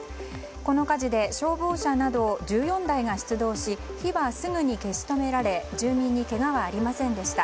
この火事で消防車など１４台が出動し火はすぐに消し止められ住民にけがはありませんでした。